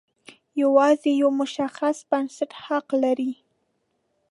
یوازې یو مشخص بنسټ حق ولري.